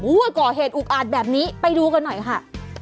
ก่อเหตุอุกอาจแบบนี้ไปดูกันหน่อยค่ะ